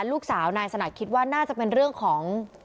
ลูกสาวนายสนัทคิดว่าน่าจะเป็นเรื่องของ